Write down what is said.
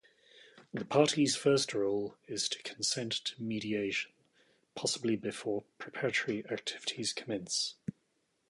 The parties' first role is to consent to mediation, possibly before preparatory activities commence.